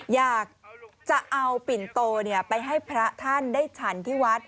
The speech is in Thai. อยากจะเอาปิ่นโตไปให้พระท่านได้ฉันที่วัด